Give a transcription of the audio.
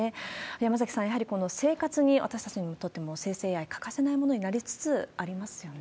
山崎さん、やはり生活に、私たちにとっても生成ＡＩ、欠かせないものになりつつありますよね。